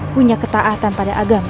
punya ketaatan pada agama